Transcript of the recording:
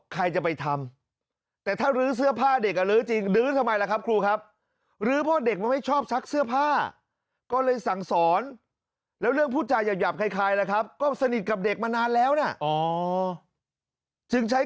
แก้ปัญหาเขาให้ได้